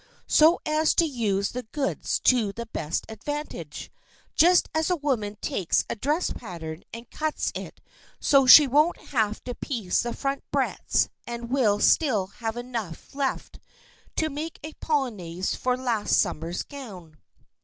so as to use the goods to the best advantage, just as a woman takes a dress pattern and cuts it so she won't have to piece the front breadths and will still have enough left to make a polonaise for last summer's gown.